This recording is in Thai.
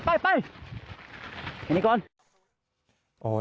อย่างนี้ก่อน